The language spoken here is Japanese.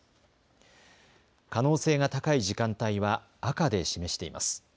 可能性が高い時間帯は赤で示しています。